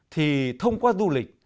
thì thông qua du lịch